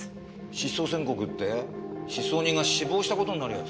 失踪宣告って失踪人が死亡した事になるやつ？